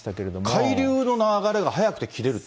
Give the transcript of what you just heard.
海流の流れが速くて切れる